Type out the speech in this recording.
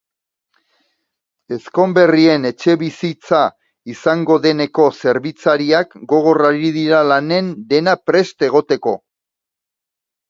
Ezkonberrien etxebizitza izango deneko zerbitzariak gogor ari dira lanean dena prest egoteko.